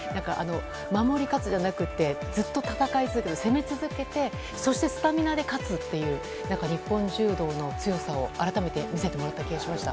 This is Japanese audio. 守り勝つじゃなくてずっと戦い続けて攻め続けてそしてスタミナで勝つという日本柔道の強さを改めて見せてもらった気がしました。